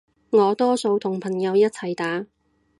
我多數同朋友一齊打